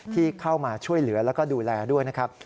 ที่เข้ามาช่วยเหลือแล้วก็ดูแลด้วยนะครับ